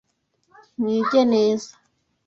Mwige neza.